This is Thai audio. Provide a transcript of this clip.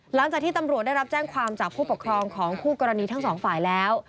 หลังจากที่ตำรวจได้รับแจ้งความจากผู้ปกครองของคู่กรณีทั้งสองฝ่ายแล้ว